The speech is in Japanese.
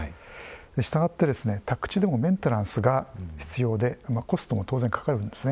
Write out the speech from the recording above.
したがって、宅地でもメンテナンスが必要でコストも当然かかるんですね。